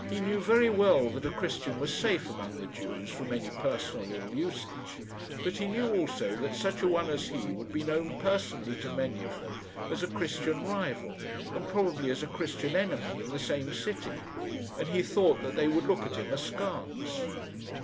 He knew very well that a Christian was safe among the Jews from any personal ill usage; but he knew also that such a one as he would be known personally to many of them as a Christian rival, and probably as a Christian enemy in the same city, and he thought that they would look at him askance.